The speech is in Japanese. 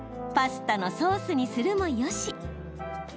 パスタのソースにするもよし。